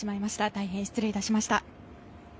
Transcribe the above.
大変失礼いたしました。